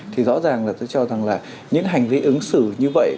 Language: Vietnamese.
thì rõ ràng là tôi cho rằng là những hành vi ứng xử như vậy